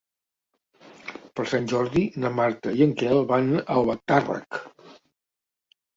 Per Sant Jordi na Marta i en Quel van a Albatàrrec.